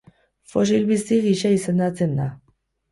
Fosil bizi gisa izendatzen da.